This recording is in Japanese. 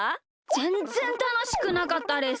ぜんぜんたのしくなかったです。